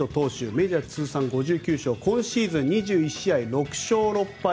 メジャー通算５９勝今シーズン２１勝６勝６敗。